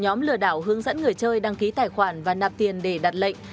nhóm lừa đảo hướng dẫn người chơi đăng ký tài khoản và nạp tiền để đặt lệnh